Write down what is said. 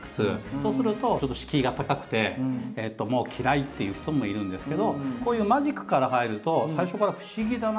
そうするとちょっと敷居が高くてもう嫌いっていう人もいるんですけどこういうマジックから入ると最初から「ふしぎだな」